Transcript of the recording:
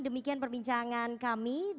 demikian perbincangan kami dan